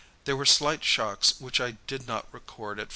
There were slight shocks which I did not record at 5.